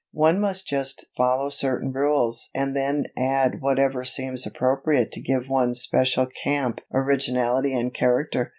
"One must just follow certain general rules and then add whatever seems appropriate to give one's special camp originality and character.